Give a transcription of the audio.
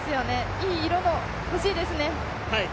いい色の、欲しいですね！